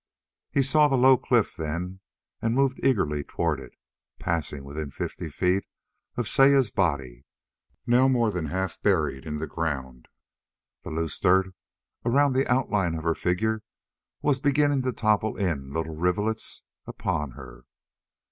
He saw the low cliff, then, and moved eagerly toward it, passing within fifty feet of Saya's body, now more than half buried in the ground. The loose dirt around the outline of her figure was beginning to topple in little rivulets upon her.